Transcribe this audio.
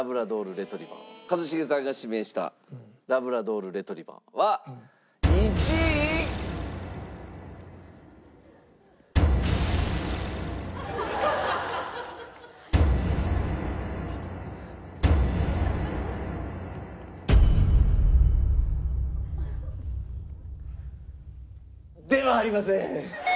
一茂さんが指名したラブラドール・レトリーバーは１位？ではありません。